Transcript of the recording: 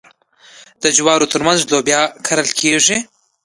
د جوارو ترمنځ لوبیا کرل کیږي.